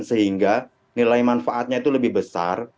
sehingga nilai manfaatnya itu lebih besar